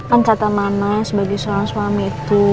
ancatan mama sebagai seorang suami itu